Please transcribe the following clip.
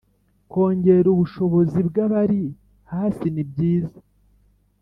Kwongera ubushobozi bw abari hasi nibyiza